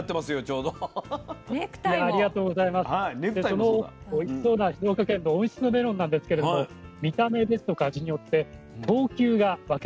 そのおいしそうな静岡県の温室メロンなんですけれども見た目ですとか味によって等級が分けられているんです。